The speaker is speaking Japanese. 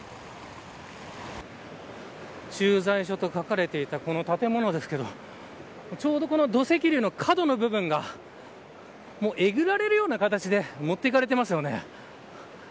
駐在所と書かれていたこの建物ですけどちょうどこの土石流の角の部分がえぐられるような形でもっていかれてますよね。